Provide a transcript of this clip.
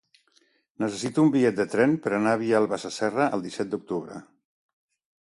Necessito un bitllet de tren per anar a Vilalba Sasserra el disset d'octubre.